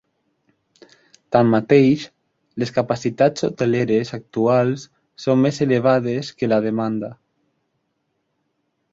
Tanmateix, les capacitats hoteleres actuals són més elevades que la demanda.